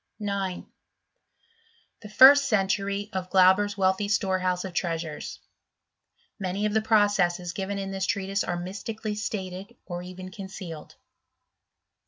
9. The first century of Glauber's wealthy Storehouse of Treasures. — ^Many of the processes given in this treatise are mystically stated, or even concealed.